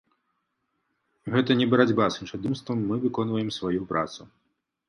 Гэта не барацьба з іншадумствам, мы выконваем сваю працу.